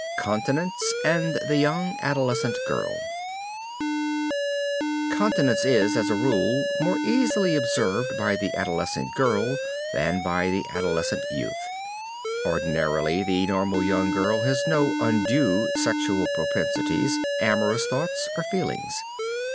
CONTINENCE AND THE YOUNG ADOLESCENT GIRL Continence is, as a rule more easily observed by the adolescent girl than by the adolescent youth. Ordinarily the normal young girl has no undue sexual propensities, amorous thoughts or feelings.